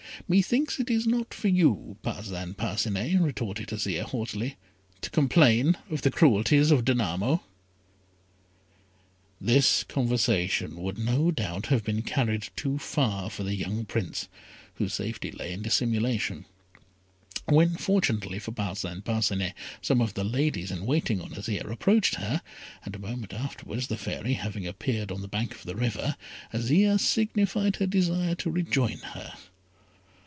"Methinks it is not for you, Parcin Parcinet," retorted Azire, haughtily, "to complain of the cruelties of Danamo." This conversation would, no doubt, have been carried too far for the young Prince, whose safety lay in dissimulation; when, fortunately for Parcin Parcinet, some of the ladies in waiting on Azire approached her, and a moment afterwards the Fairy having appeared on the bank of the river, Azire signified her desire to rejoin her.